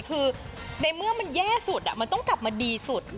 คือในเมื่อมันแย่สุดมันต้องกลับมาดีสุด